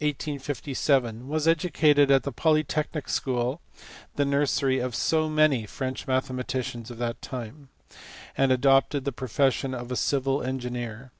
21, 1789, and died at Sceaux on May 25, 1857, was educated at the Polytechnic school, the nursery of so many French mathematicians of that time, and adopted the profession of a civil engineer.